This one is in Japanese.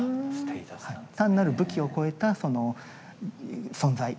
単なる武器を超えたその存在。